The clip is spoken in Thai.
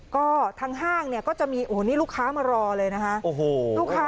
ก็ทางห้างเนี่ยก็จะมีโอ้โหนี่ลูกค้ามารอเลยนะคะ